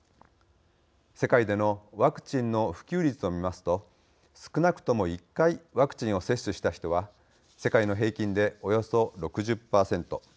世界でのワクチンの普及率を見ますと少なくとも１回ワクチンを接種した人は世界の平均でおよそ６０％。